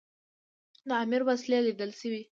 د امیر وسلې لیدل سوي.